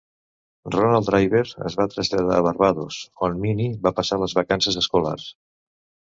Ronald Driver es va traslladar a Barbados, on Minnie va passar les vacances escolars.